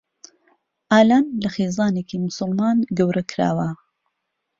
ئالان لە خێزانێکی موسڵمان گەورە کراوە.